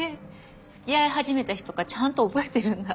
付き合い始めた日とかちゃんと覚えてるんだ。